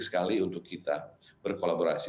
sekali untuk kita berkolaborasi